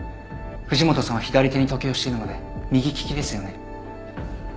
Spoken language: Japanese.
藤本さんは左手に時計をしているので右利きですよね？